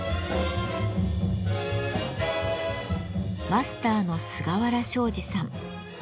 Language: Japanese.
マスターの菅原正二さん。